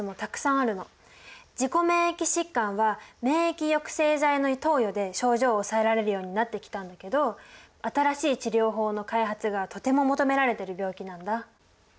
自己免疫疾患は免疫抑制剤の投与で症状を抑えられるようになってきたんだけど新しい治療法の開発がとても求められてる病気なんだ。